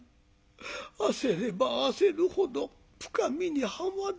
焦れば焦るほど深みにはまる。